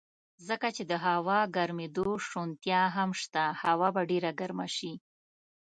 ځکه چې د هوا ګرمېدو شونتیا هم شته، هوا به ډېره ګرمه شي.